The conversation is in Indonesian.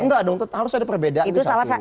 enggak dong harus ada perbedaan